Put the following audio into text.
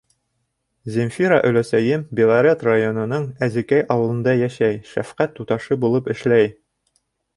Земфира өләсәйем Белорет районының Әзекәй ауылында йәшәй, шәфҡәт туташы булып эшләй.